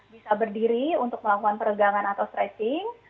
bisa berdiri untuk melakukan peregangan atau stressing